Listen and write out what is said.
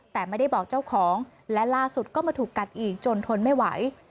แต่ไม่ได้บอกเจ้าของและล่าสุดก็มาถูกกัดอีกจนทนไม่ไหว